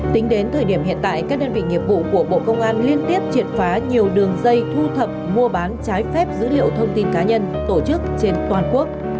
tính đến thời điểm hiện tại các đơn vị nghiệp vụ của bộ công an liên tiếp triệt phá nhiều đường dây thu thập mua bán trái phép dữ liệu thông tin cá nhân tổ chức trên toàn quốc